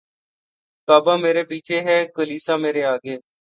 کعبہ مرے پیچھے ہے کلیسا مرے آگے